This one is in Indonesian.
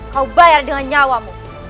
kau bayar dengan nyawamu